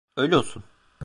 Öyle olsun.